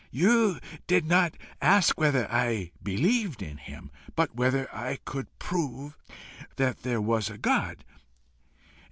You did not ask whether I believed in him, but whether I could prove that there was a God.